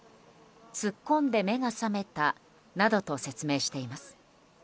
突っ込んで目が覚めたなどと説明しています。